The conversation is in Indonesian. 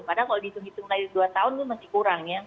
padahal kalau dihitung hitung lagi dua tahun itu masih kurang ya